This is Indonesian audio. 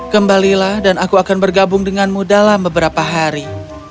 kembalilah dan aku akan bergabung denganmu dalam beberapa hari